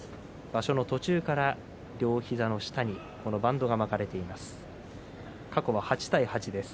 場所の途中から両膝の下にバンドがまかれています。